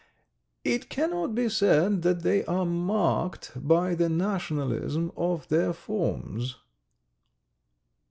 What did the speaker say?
. it cannot be said that they are marked by the nationalism of their forms